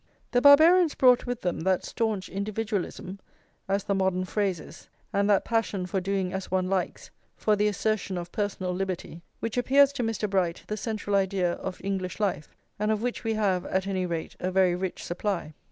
The Barbarians brought with them that staunch individualism, as the modern phrase is, and that passion for doing as one likes, for the assertion of personal liberty, which appears to Mr. Bright the central idea of English life, and of which we have, at any rate, a very rich supply.